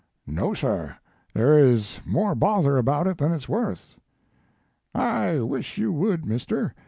" No sir; there is more bother about it than it s worth/ " I wish you would, mister.